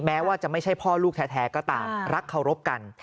แม้ว่าจะไม่ใช่พ่อลูกแท้ก็ตามรักเคารพกัน